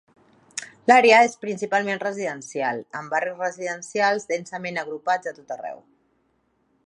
L"àrea és principalment residencial, amb barris residencials densament agrupats a tot arreu.